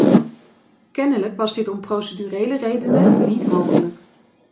Kennelijk was dit om procedurele redenen niet mogelijk.